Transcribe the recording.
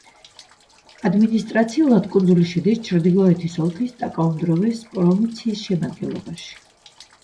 ადმინისტრაციულად კუნძული შედის ჩრდილოეთის ოლქის ტაკაუნდროვეს პროვინციის შემადგენლობაში.